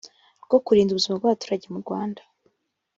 rwo kurinda ubuzima bw abaturage mu rwanda